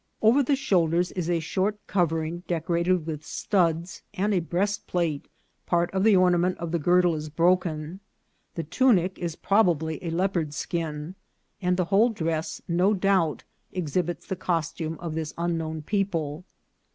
Over the shoulders is a short covering decorated with studs, and a breastplate; part of the ornament of the girdle is broken ; the tunic is probably a leopard's skin ; and the whole dress no doubt exhibits the costume of this unknown people.